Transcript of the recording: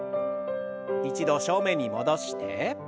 一度正面に戻して。